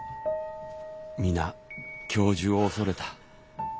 皆教授を恐れた。